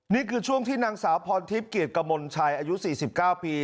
นี่คือช่วงที่นางสาวพรทิพย์เกียรติกระมนชายอายุสี่สิบเก้าปี